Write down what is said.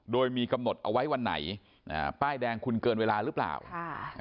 โดยมีกำหนดเอาไว้วันไหนอ่าป้ายแดงคุณเกินเวลาหรือเปล่าค่ะ